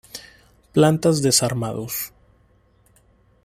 Plantas desarmados.